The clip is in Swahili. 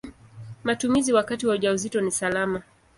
Matumizi wakati wa ujauzito ni salama.